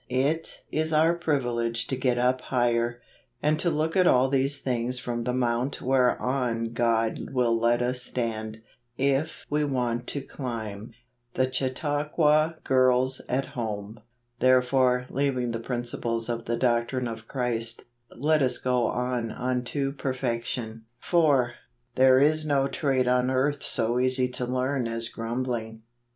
It is our privilege to get up higher; to look at all these things from the mount whereon God will let us stand, if we want to climb/' The Chautauqua Girls at Home. " Therefore leaving the principles of the doctrine of Christ , let us go on unto perfection ." 73 74 JULY. 4. There is no trade on earth so easy to learn as grumbling. Mrs.